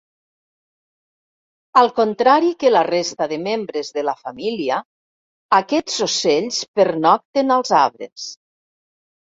Al contrari que la resta de membres de la família, aquests ocells pernocten als arbres.